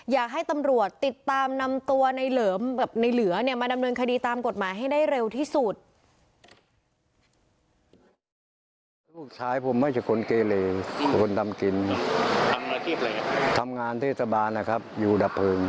อยากให้ตำรวจติดตามนำตัวในเหลือมาดำเนินคดีตามกฎหมายให้ได้เร็วที่สุด